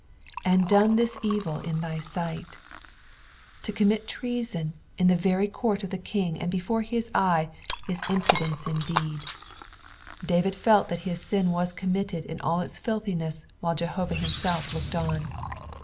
' And done tnU evil in thy tight.'' To commit treason in the very court of the king and before hia eye is impudenco indeed : David felt that his sin was committed in all its filthiness while Jehovnh himself looked on.